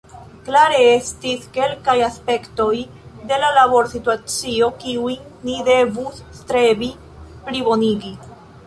Klare estis kelkaj aspektoj de la laborsituacio, kiujn ni devus strebi plibonigi.